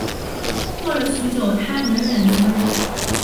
过了许久她能忍则忍